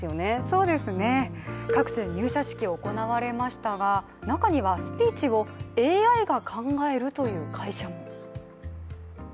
そうですね、各地で入社式も行われましたが中にはスピーチをＡＩが考えるという会社も。